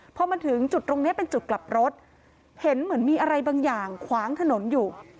พอมาถึงจุดตรงนี้เป็นจุดกลับรถเห็นเหมือนมีอะไรบางอย่างขวางถนนอยู่